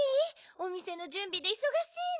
おみせのじゅんびでいそがしいの。